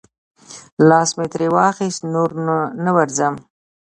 لاس مې ترې واخیست، نور نه ورځم.